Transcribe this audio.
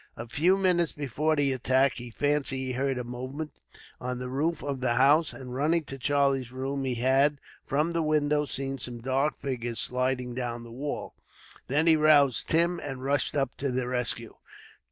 A few minutes before the attack, he fancied he heard a movement on the roof of the house; and running to Charlie's room he had, from the window, seen some dark figures sliding down the wall. Then he roused Tim, and rushed up to the rescue.